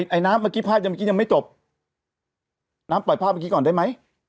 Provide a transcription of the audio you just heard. ไอ้น้ำเมื่อกี้ภาพยังเมื่อกี้ยังไม่จบน้ำปล่อยภาพเมื่อกี้ก่อนได้ไหม